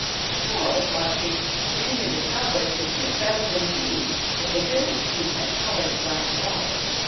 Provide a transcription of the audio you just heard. Poor old Frosty! Many of the cowboys could shoot better than he; but they didn't shoot at colored glass balls.